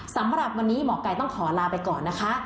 สำหรับวันนี้หมอกัยต้องขอลาไปก่อนนะคะ